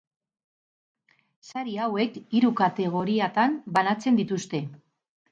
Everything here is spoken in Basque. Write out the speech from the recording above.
Sari hauek hiru kategoriatan banatzen dituzte.